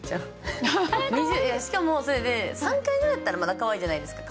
しかもそれで３回ぐらいだったらまだかわいいじゃないですか。